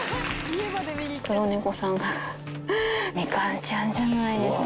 黒猫さんが、みかんちゃんじゃないですね。